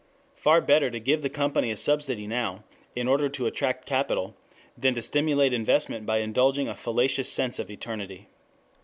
Far better to give the company a subsidy now in order to attract capital than to stimulate investment by indulging a fallacious sense of eternity.